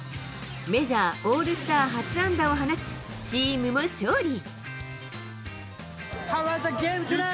メジャー、オールスター初安打を放ち、チームも勝利。